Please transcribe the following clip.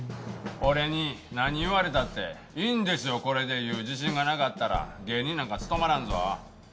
俺に何言われたって「いいんですよこれで」いう自信がなかったら芸人なんか務まらんぞ。